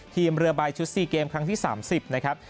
ทีมเรือใบชุด๔เกมครั้งที่๓๐นะครับ